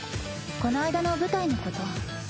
この間の舞台のこと。